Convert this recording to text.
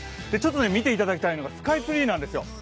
見ていただきたいのが、スカイツリーなんですよ。